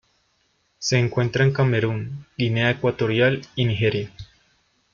Se encuentra en Camerún, Guinea Ecuatorial, y Nigeria.